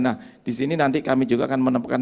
nah disini nanti kami juga akan menemukan